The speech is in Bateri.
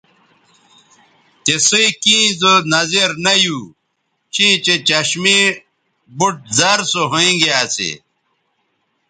تِسئ کیں زو نظر نہ یو چیں چہء چشمے بُٹ زر سو ھوینگے اسی